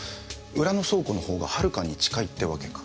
裏の倉庫のほうがはるかに近いってわけか。